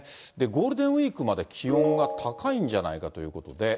ゴールデンウィークまで気温が高いんじゃないかということで。